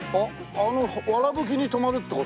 あのわらぶきに泊まるって事？